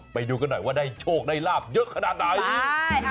ไปดูกันหน่อยว่าได้โชคได้ลาบเยอะขนาดไหน